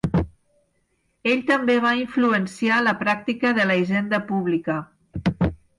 Ell també va influenciar la pràctica de la hisenda pública.